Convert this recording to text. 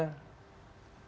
puncak masih macet